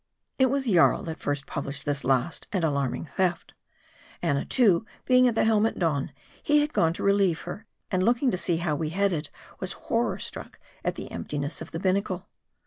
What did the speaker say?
It was Jarl that first published this last and alarming theft. Annatoo being at the helm at dawn, he had gone to relieve her ; and looking to see how we headed, was horror struck at the emptiness of the binnacle.